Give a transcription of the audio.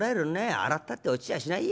洗ったって落ちやしないよ